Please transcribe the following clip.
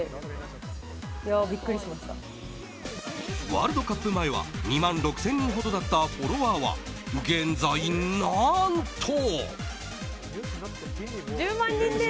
ワールドカップ前は２万６０００人ほどだったフォロワーは現在、何と。